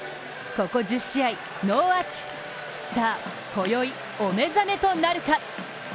ここ１０試合、ノーアーチ、さあ、こよいお目覚めとなるか。